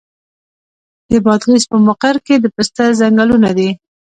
د بادغیس په مقر کې د پسته ځنګلونه دي.